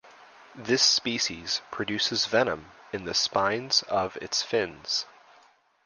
This species produces venom in the spines of its fins.